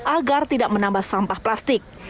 agar tidak menambah sampah plastik